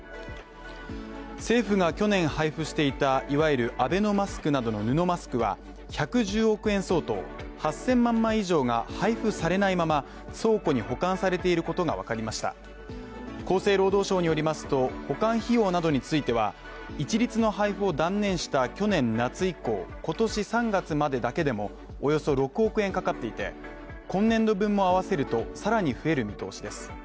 政府が去年配布していた、いわゆるアベノマスクなどの布マスクは１１０億円相当、８０００万枚以上が配付されないまま倉庫に保管されていることがわかりました厚生労働省によりますと、保管費用などについては、一律の配布を断念した去年夏以降、今年３月までだけでもおよそ６億円かかっていて、今年度分も合わせるとさらに増える見通しです。